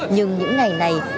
nhưng những ngày này